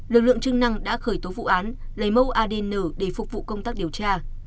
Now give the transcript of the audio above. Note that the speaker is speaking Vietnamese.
lực lượng chức năng đã khởi tố vụ án lấy mẫu adn để phục vụ công tác điều tra